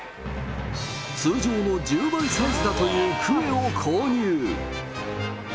通常の１０倍サイズだというクエを購入。